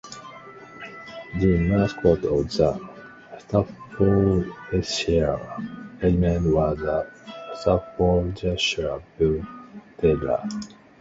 The mascot of the Staffordshire Regiment was a Staffordshire Bull Terrier.